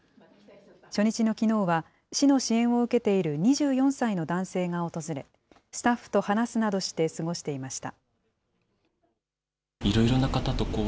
初日のきのうは、市の支援を受けている２４歳の男性が訪れ、スタッフと話すなどして、過ごしていました。